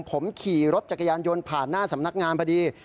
ผมขี่รถจักรยานยนต์ผ่านหน้าสำนักงานพอดี